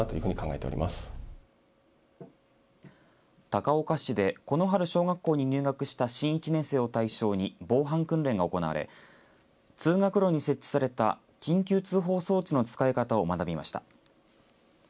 高岡市でこの春、小学校に入学した新１年生を対象に防犯訓練が行われ通学路に設置された緊急通報装置の使い方を学びました。